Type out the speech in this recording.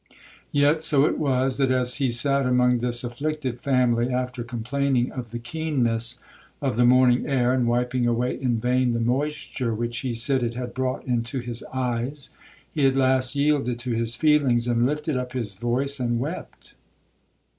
Yet so it was, that as he sat among this afflicted family, after complaining of the keenness of the morning air, and wiping away in vain the moisture, which he said it had brought into his eyes, he at last yielded to his feelings, and 'lifted up his voice and wept.'